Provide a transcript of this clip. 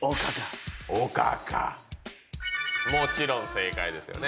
もちろん正解ですよね。